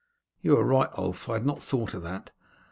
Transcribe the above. "You are right, Ulf; I had not thought of that.